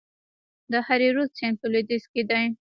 د هریرود سیند په لویدیځ کې دی